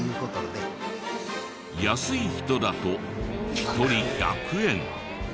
安い人だと１人１００円。